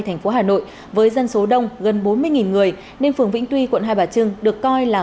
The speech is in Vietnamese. thành phố hà nội với dân số đông gần bốn mươi người nên phường vĩnh tuy quận hai bà trưng được coi là